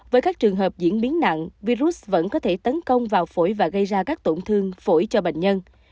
với các trường hợp diễn biến nặng virus vẫn có thể tấn công vào phổi và gây ra các tổn thương phổi cho bệnh nhân